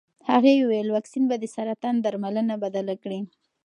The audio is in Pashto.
هغې وویل واکسین به د سرطان درملنه بدله کړي.